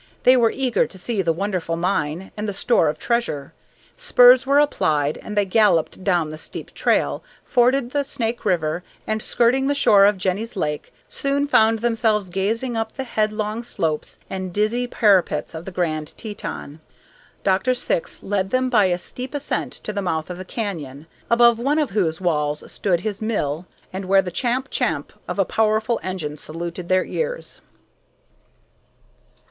They were eager to see the wonderful mine and the store of treasure. Spurs were applied, and they galloped down the steep trail, forded the Snake River, and, skirting the shore of Jenny's Lake, soon found themselves gazing up the headlong slopes and dizzy parapets of the Grand Teton. Dr. Syx led them by a steep ascent to the mouth of the canyon, above one of whose walls stood his mill, and where the "Champ! Champ!" of a powerful engine saluted their ears.